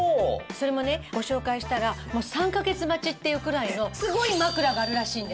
それもねご紹介したら３カ月待ちっていうくらいのすごい枕があるらしいんですよ。